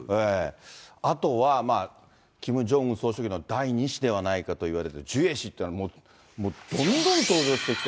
あとは、キム・ジョンウン総書記の第２子ではないかといわれてるジュエ氏というのは、どんどん登場してきてて。